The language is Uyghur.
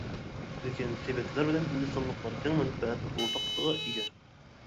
لېكىن، تىبەتلەر بىلەن ھىندىستانلىقلار كەڭ مەنپەئەت ئورتاقلىقىغا ئىگە.